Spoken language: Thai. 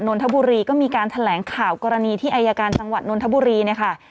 นนทบุรีก็มีการแถลงข่าวกรณีที่อายการจังหวัดนนทบุรีเนี่ยค่ะ